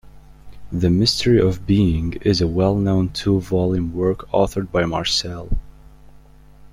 "The Mystery of Being" is a well-known two-volume work authored by Marcel.